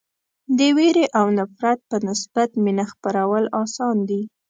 د وېرې او نفرت په نسبت مینه خپرول اسان دي.